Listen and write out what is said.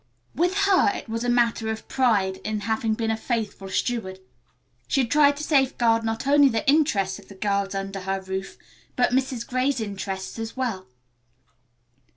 With her it was a matter of pride in having been a faithful steward. She had tried to safeguard not only the interests of the girls under her roof, but Mrs. Gray's interests as well.